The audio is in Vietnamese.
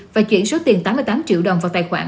và chuyển số tiền tám mươi tám triệu đồng vào tài khoản